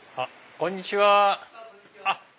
こんにちは。